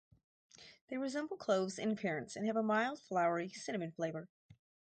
They resemble cloves in appearance and have a mild, flowery cinnamon flavor.